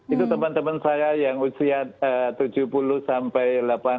itu teman teman saya yang usia tujuh puluh sampai delapan puluh